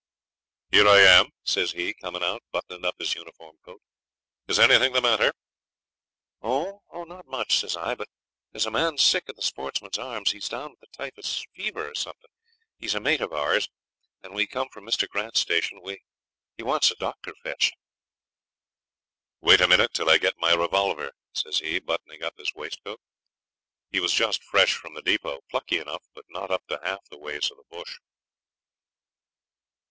'Here I am,' says he, coming out, buttoning up his uniform coat. 'Is anything the matter?' 'Oh! not much,' says I; 'but there's a man sick at the Sportsman's Arms. He's down with the typhus fever or something. He's a mate of ours, and we've come from Mr. Grant's station. He wants a doctor fetched.' 'Wait a minute till I get my revolver,' says he, buttoning up his waistcoat. He was just fresh from the depot; plucky enough, but not up to half the ways of the bush.